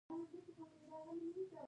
شاوخوا پنځلس زره ډبرلیکونه ترې پاتې دي